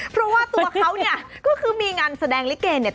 เพราะว่าตัวเขาเนี่ยก็คือมีงานแสดงลิเกเนี่ย